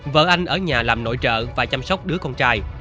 vợ anh ở nhà làm nội trợ và chăm sóc đứa con trai